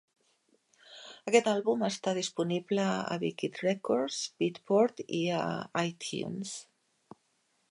Aquest àlbum està disponible a Wikkid Records, Beatport i a iTunes.